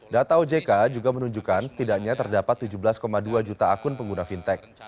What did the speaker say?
data ojk juga menunjukkan setidaknya terdapat tujuh belas dua juta akun pengguna fintech